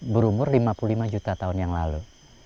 berumur lima puluh lima juta tahun yang lalu